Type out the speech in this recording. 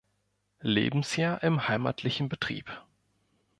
Lebensjahr im heimatlichen Betrieb.